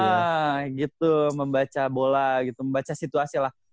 wah gitu membaca bola gitu membaca situasi lah